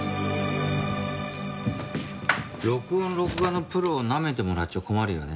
録音・録画のプロをなめてもらっちゃ困るよね。